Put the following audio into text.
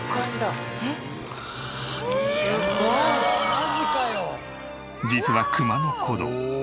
マジかよ！